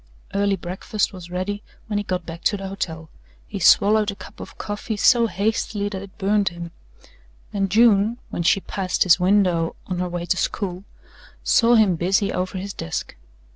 Early breakfast was ready when he got back to the hotel. He swallowed a cup of coffee so hastily that it burned him, and June, when she passed his window on her way to school, saw him busy over his desk.